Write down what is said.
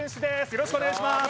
よろしくお願いします